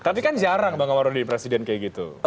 tapi kan jarang bang mardani presiden kayak gitu